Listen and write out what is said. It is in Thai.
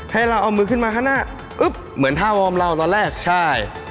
ให้เราเอามือขึ้นมาข้างหน้าอึ๊บเหมือนท่าวอร์มเราตอนแรกใช่